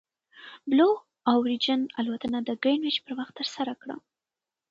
بلو اوریجن الوتنه د ګرینویچ پر وخت ترسره کړه.